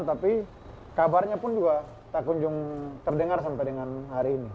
tapi kabarnya pun juga tak terdengar sampai hari ini